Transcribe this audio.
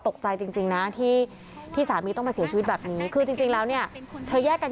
แต่ไปทำที่บ้านเกิดนะครับครับ